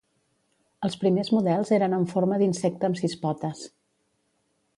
Els primers models eren amb forma d'insecte amb sis potes.